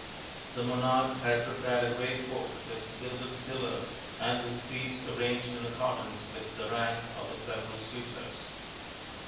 The monarch had prepared a great court with gilded pillars and with seats arranged in accordance with the rank of the several suitors.